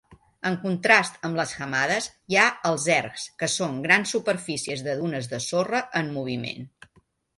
En contrast amb les "hamadas" hi ha els "ergs", que són grans superfícies de dunes de sorra en moviment.